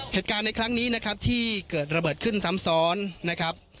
เหตุการณ์ในครั้งนี้นะครับที่เกิดระเบิดขึ้นซ้ำซ้อนนะครับ